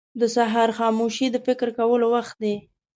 • د سهار خاموشي د فکر کولو وخت دی.